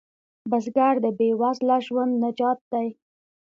بزګر د بې وزله ژوند نجات دی